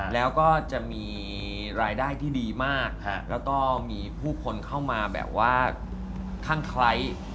แล้วก็จะมีรายได้ที่ดีมากแล้วก็มีผู้คนเข้ามาแบบว่าข้างไคร้